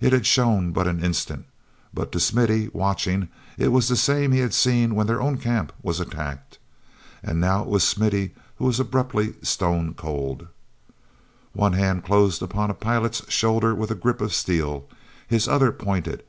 It had shone but an instant, but, to Smithy, watching, it was the same he had seen when their own camp was attacked. And now it was Smithy who was abruptly stone cold. One hand closed upon a pilot's shoulder with a grip of steel; his other pointed.